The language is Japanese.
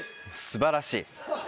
素晴らしい。